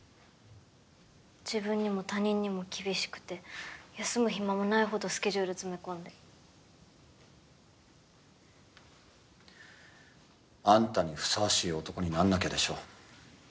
自分にも他人にも厳しくて休む暇もないほどスケジュール詰め込んであんたにふさわしい男になんなきゃでしょ